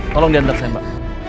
tolong diantar saya mbak